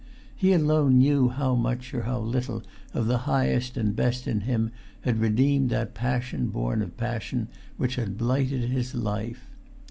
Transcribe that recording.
He alone knew how much or how little of the highest and the best in him had redeemed that passion born of passion which had blighted his life.